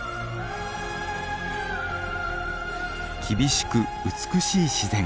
厳しく美しい自然。